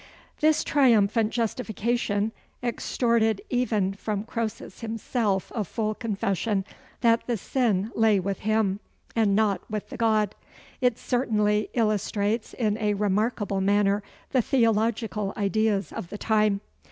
This triumphant justification extorted even from Croesus himself a full confession that the sin lay with him, and not with the god. It certainly illustrates in a remarkable manner the theological ideas of the time.